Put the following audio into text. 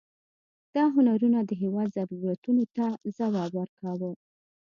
دا هنرونه د هېواد ضرورتونو ته ځواب ورکاوه.